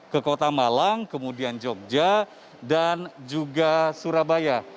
ke kota malang kemudian jogja dan juga surabaya